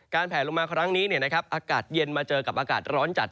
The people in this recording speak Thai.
แผลลงมาครั้งนี้อากาศเย็นมาเจอกับอากาศร้อนจัด